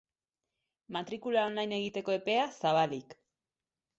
Matrikula online egiteko epea, zabalik.